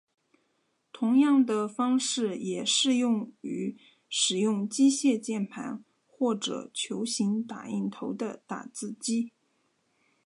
同样的方式也适用于使用机械键盘或者球形打印头的打字机。